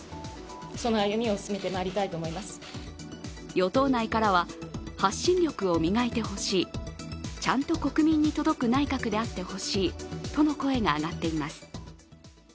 与党内からは、発信力を磨いてほしいちゃんと国民に届く内閣であってほしいとの声が上がっています。